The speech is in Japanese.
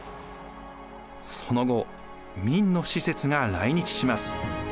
その後明の使節が来日します。